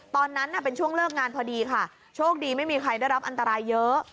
ตอนนั้นเป็นช่วงเลิกงานพอดีค่ะโชคดีไม่มีใครได้รับอันตรายเยอะ